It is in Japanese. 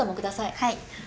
はい。